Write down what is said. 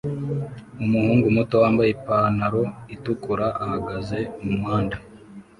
Umuhungu muto wambaye ipantaro itukura ahagaze mumuhanda